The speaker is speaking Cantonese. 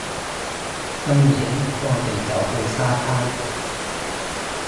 今年，我哋就去沙灘